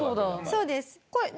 そうです。